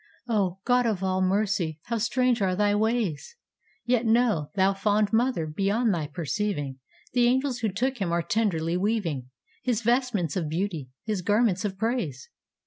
O, God of all mercy, how strange are thy ways! Yet know, thou fond mother, beyond thy perceiving, The angels who took him are tenderly weaving His vestments of beauty, his garments of praise.